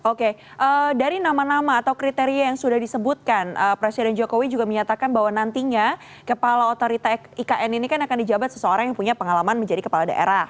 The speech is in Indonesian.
oke dari nama nama atau kriteria yang sudah disebutkan presiden jokowi juga menyatakan bahwa nantinya kepala otorita ikn ini kan akan dijabat seseorang yang punya pengalaman menjadi kepala daerah